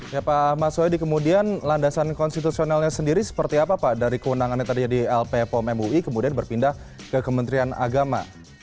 ya pak mas soedi kemudian landasan konstitusionalnya sendiri seperti apa pak dari kewenangannya tadi di lp pom mui kemudian berpindah ke kementerian agama